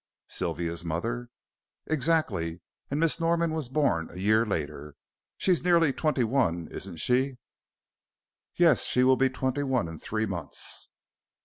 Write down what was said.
"Sylvia's mother?" "Exactly. And Miss Norman was born a year later. She's nearly twenty one, isn't she?" "Yes. She will be twenty one in three months."